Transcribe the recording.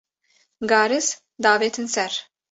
garis davêtin ser